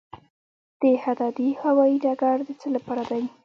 دهدادي هوايي ډګر د څه لپاره دی؟